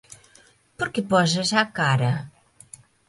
Por que pos esa cara?